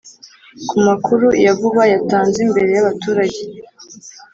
ku makuru ya vuba yatanze imbere y’ abaturage